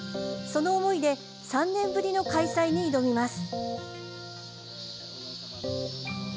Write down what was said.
その思いで３年ぶりの開催に挑みます。